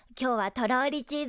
とろりチーズ。